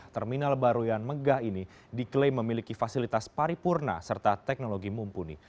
terminal baru yang megah ini diklaim memiliki fasilitas paripurna serta teknologi mumpuni